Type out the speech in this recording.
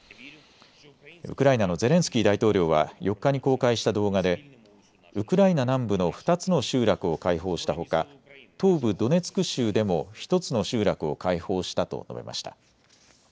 ウクライナのゼレンスキー大統領は４日に公開した動画でウクライナ南部の２つの集落を解放したほか東部ドネツク州でも１つの集落を解放したと述べました。